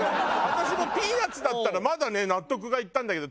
私もピーナツだったらまだね納得がいったんだけど。